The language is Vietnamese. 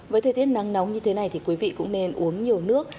với thời tiết nắng nóng như thế này thì quý vị cũng nên uống nhiều nước